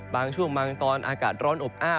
บางช่วงบางตอนอากาศร้อนอบอ้าว